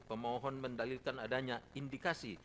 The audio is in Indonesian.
pemohon mendalilkan adanya indikasi